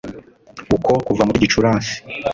uko kuva muri Gicurasi